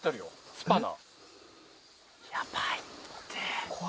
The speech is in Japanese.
スパナ。